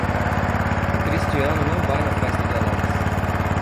O Cristiano não vai na festa do Alex.